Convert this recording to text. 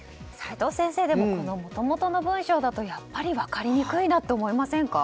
齋藤先生、もともとの文章だとやっぱり分かりにくいなと思いませんか？